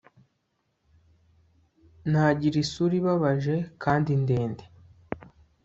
Nagira isura ibabaje kandi ndende